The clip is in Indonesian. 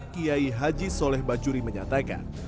kiai haji soleh bajuri menyatakan